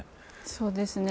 そうですね。